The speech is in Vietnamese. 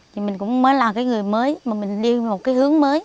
thì mình cũng mới là cái người mới mà mình đi một cái hướng mới